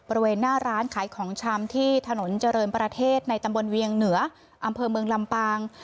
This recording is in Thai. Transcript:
บริเวณหน้าร้านขายของชำที่ถนนเจริญประเทศในตำบลเวียงเหนืออำเภอเมืองลำปาง